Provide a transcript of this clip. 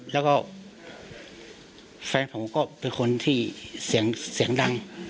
แล้วก็แฟนผมก็เป็นคนที่เสียงดัง